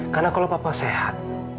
karena kalau papa sehat